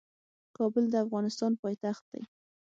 کابل د افغانستان پايتخت دی.